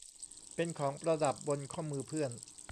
เป็นของประดับบนข้อมือเพื่อน